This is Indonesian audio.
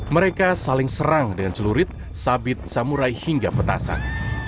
mereka saling serang dengan celurit sabit samurai hingga petasan